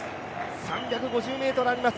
３５０ｍあります